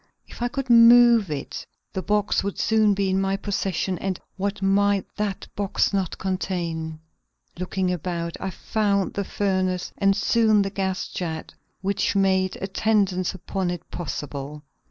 If I could move it the box would soon be in my possession and what might that box not contain! Looking about, I found the furnace and soon the gas jet which made attendance upon it possible.